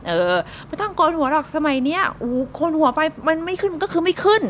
เออไม่ต้องโกนหัวหรอกสมัยเนี้ยโอ้โหคนหัวไปมันไม่ขึ้นมันก็คือไม่ขึ้น